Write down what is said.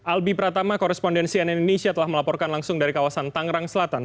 albi pratama korespondensi nn indonesia telah melaporkan langsung dari kawasan tangerang selatan